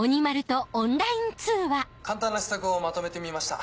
簡単な試作をまとめてみました。